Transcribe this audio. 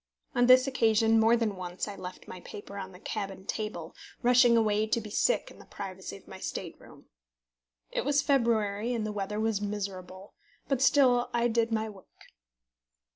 On this occasion more than once I left my paper on the cabin table, rushing away to be sick in the privacy of my state room. It was February, and the weather was miserable; but still I did my work.